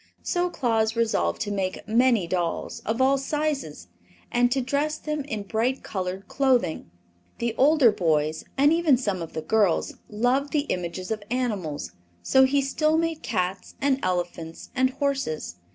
So Claus resolved to make many dolls, of all sizes, and to dress them in bright colored clothing. The older boys and even some of the girls loved the images of animals, so he still made cats and elephants and horses.